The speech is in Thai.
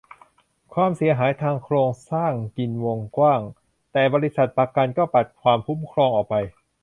ความเสียหายทางโครงสร้างกินวงกว้าง แต่บริษัทประกันก็ปัดความคุ้มครองออกไป